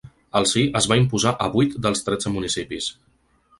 El sí es va imposar a vuit dels tretze municipis.